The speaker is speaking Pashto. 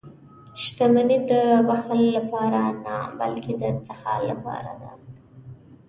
• شتمني د بخل لپاره نه، بلکې د سخا لپاره ده.